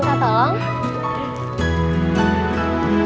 otot ate pb kalau kalo atau tidak